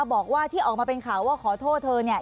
บอกว่าที่ออกมาเป็นข่าวว่าขอโทษเธอเนี่ย